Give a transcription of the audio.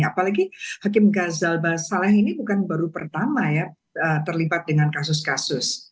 apalagi hakim gazal basaleh ini bukan baru pertama ya terlibat dengan kasus kasus